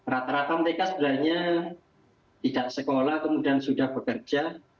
rata rata mereka sebenarnya tidak sekolah kemudian sudah bekerja